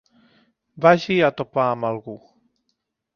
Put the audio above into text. Vagi a topar amb algú.